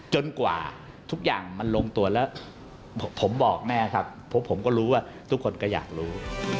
กว่าทุกอย่างมันลงตัวแล้วผมบอกแม่ครับเพราะผมก็รู้ว่าทุกคนก็อยากรู้